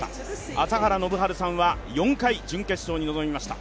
朝原宣治さんは４回、準決勝に臨みました。